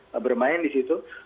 ya bermain di situ